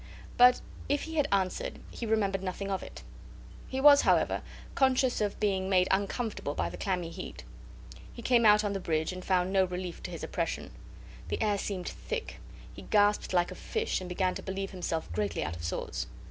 But if he had answered he remembered nothing of it. He was, however, conscious of being made uncomfortable by the clammy heat. He came out on the bridge, and found no relief to this oppression. The air seemed thick. He gasped like a fish, and began to believe himself greatly out of sorts.